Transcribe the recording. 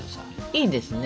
いいですね。